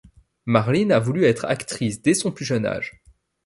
Marlyne a voulu être actrice dès son plus jeune âge.